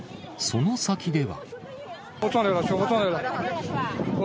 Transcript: その先では。